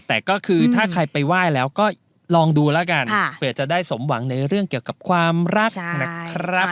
แต่ก็คือถ้าใครไปไหว้แล้วก็ลองดูแล้วกันเผื่อจะได้สมหวังในเรื่องเกี่ยวกับความรักนะครับ